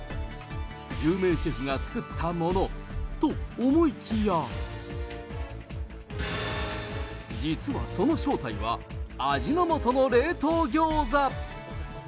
有名シェフが作ったものと、思いきや、実はその正体は、味の素の冷凍ギョーザ。